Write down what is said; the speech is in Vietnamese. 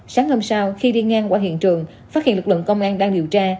sáng hôm sau khi đi ngang qua hiện trường phát hiện lực lượng công an đang điều tra